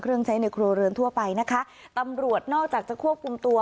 ใช้ในครัวเรือนทั่วไปนะคะตำรวจนอกจากจะควบคุมตัว